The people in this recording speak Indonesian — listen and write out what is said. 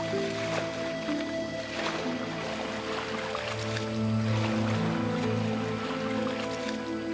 ku tak tahu sendiri yang berikannya